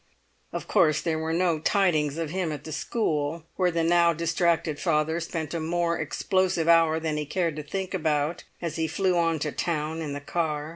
Of course there were no tidings of him at the school, where the now distracted father spent a more explosive hour than he cared to think about as he flew on to town in the car.